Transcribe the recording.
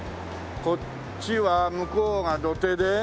こっちは向こうが土手で。